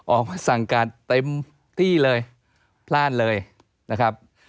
ออกมาสั่งการเต็มที่เลยพลาดเลยนะครับ